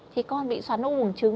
thì con bị xoắn u bùng trứng